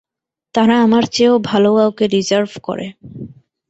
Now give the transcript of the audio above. তারা আমার চেয়েও ভালো কাউকে ডিসার্ভ করে।